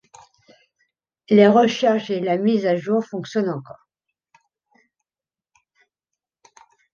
Les recherches et la mise à jour fonctionnent encore.